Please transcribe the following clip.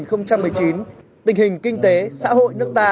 năm hai nghìn một mươi chín tình hình kinh tế xã hội nước ta